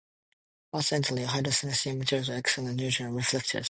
Coincidentally, high-density materials are excellent neutron reflectors.